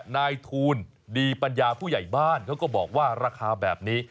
นายทูลดีปัญญาผู้ใหญ่บ้านเขาก็บอกว่าราคาแบบนี้